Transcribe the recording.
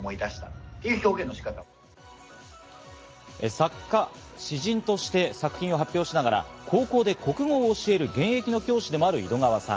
作家・詩人として作品を発表しながら高校で国語を教える現役の教師でもある井戸川さん。